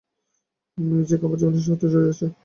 Music আমার জীবনের সাথে জড়িয়ে আছে।